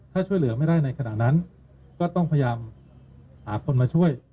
ถ้าช่วยเหลือไม่ได้ในขณะนั้นก็ต้องพยายามหาคนมาช่วย